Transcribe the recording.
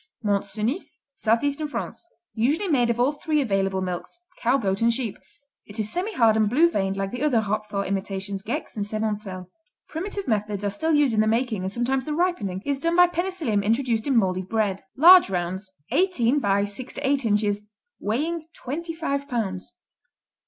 Mont Cenis Southeastern France Usually made of all three available milks, cow, goat and sheep; it is semihard and blue veined like the other Roquefort imitations, Gex and Septmoncel. Primitive methods are still used in the making and sometimes the ripening is done by penicillium introduced in moldy bread. Large rounds, eighteen by six to eight inches, weighing twenty five pounds.